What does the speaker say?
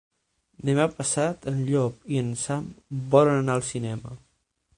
Demà passat en Llop i en Sam volen anar al cinema.